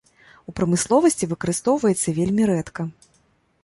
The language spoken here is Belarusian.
У прамысловасці выкарыстоўваецца вельмі рэдка.